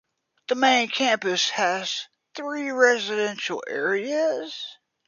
The main campus has three residential areas.